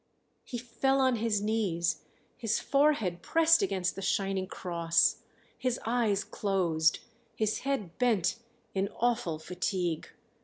He fell on his knees, his forehead pressed against the shining cross, his eyes closed, his head bent in awful fatigue.